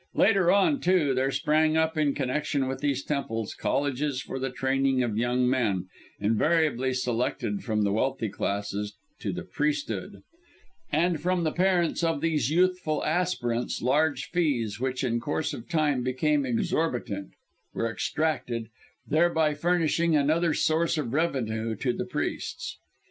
Later on, too, there sprang up, in connection with these temples, colleges for the training of young men invariably selected from the wealthy classes to the priesthood; and from the parents of these youthful aspirants large fees, which in course of time became exorbitant, were extracted, thereby furnishing another source of revenue to the priests.